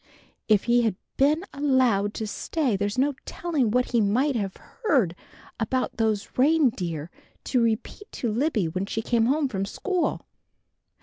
If he had been allowed to stay there's no telling what he might have heard about those reindeer to repeat to Libby when she came home from school.